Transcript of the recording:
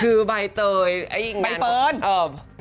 คือใบเตยไอ้งานใบเฟิร์น